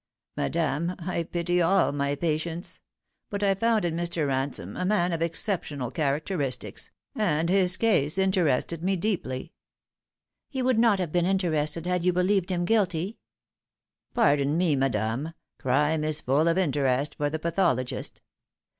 " Madame, I pity all my patients ; but I found in Mr. Ransome a man of exceptional characteristics, and his case interested me deeply." " You would not have been interested had you believed him guilty ?"" Pardon me, madame, crime is full of interest for the pathologist.